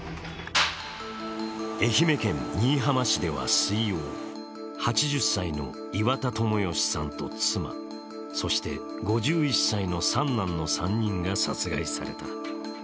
愛媛県新居浜市では水曜、８０歳の岩田友義さんと妻、そして５１歳の三男の３人が殺害された。